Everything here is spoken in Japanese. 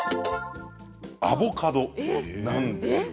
アボカドなんですが。